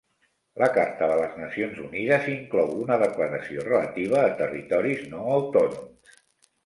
La Carta de les Nacions Unides inclou una declaració relativa a territoris no autònoms.